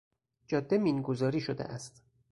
جاده مین گذاری شده است.